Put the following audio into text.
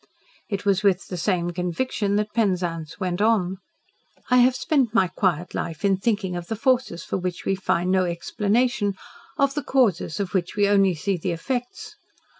It was with the same conviction that Penzance went on. "I have spent my quiet life in thinking of the forces for which we find no explanation of the causes of which we only see the effects.